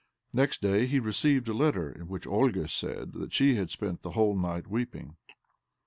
Next day he received a letter in which Olga said that she had spent the whole night weeping